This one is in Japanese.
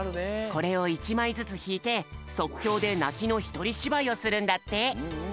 これを１まいずつひいてそっきょうでなきのひとりしばいをするんだって。